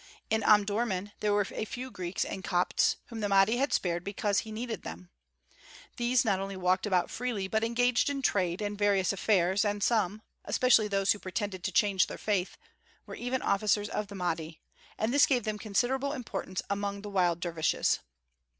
In Omdurmân there were a few Greeks and Copts whom the Mahdi had spared because he needed them. These not only walked about freely, but engaged in trade and various affairs, and some, especially those who pretended to change their faith, were even officers of the Mahdi, and this gave them considerable importance among the wild dervishes.